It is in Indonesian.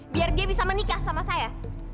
biar dia bisa menikah sama saya